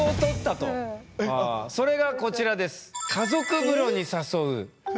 それがこちらです。